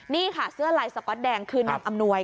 นี่ค่ะเสื้อลายสก๊อตแดงคือนางอำนวย